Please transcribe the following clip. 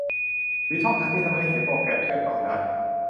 หรือช่องทางที่ทำให้เขียนโปรแกรมเชื่อมต่อได้